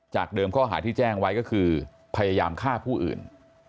เดิมข้อหาที่แจ้งไว้ก็คือพยายามฆ่าผู้อื่น